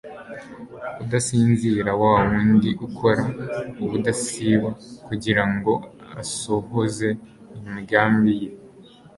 Udasinzira wa wundi ukora ubudasiba kugira ngo asohoze imigambi ye